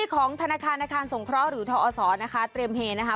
ของธนาคารอาคารสงเคราะห์หรือทอศนะคะเตรียมเฮนะคะ